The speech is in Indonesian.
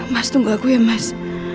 mas tunggu aku ya mas